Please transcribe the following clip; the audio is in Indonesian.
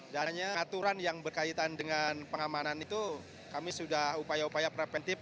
dan hanya aturan yang berkaitan dengan pengamanan itu kami sudah upaya upaya preventif